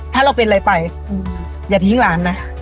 ถ้าเราเป็นอะไรไปอย่าทิ้งหลานนะ